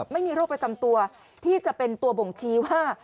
ไม่มีโรคประจำตัวที่จะเป็นตัวบ่งชี้ว่า